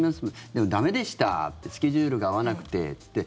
でも、駄目でしたってスケジュールが合わなくてって。